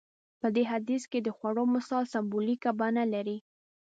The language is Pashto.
په دې حديث کې د خوړو مثال سمبوليکه بڼه لري.